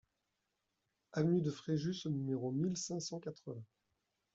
Avenue de Fréjus au numéro mille cinq cent quatre-vingts